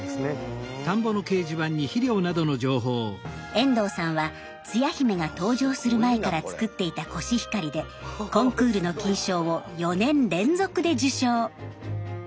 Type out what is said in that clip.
遠藤さんはつや姫が登場する前から作っていたコシヒカリでコンクールの金賞を４年連続で受賞。